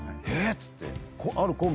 っつって。